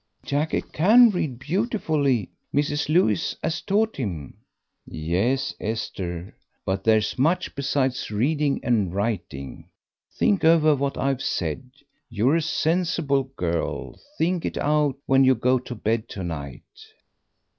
"Jackie can read beautifully Mrs. Lewis 'as taught him." "Yes, Esther; but there's much besides reading and writing. Think over what I've said; you're a sensible girl; think it out when you go to bed to night."